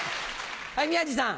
はい宮治さん。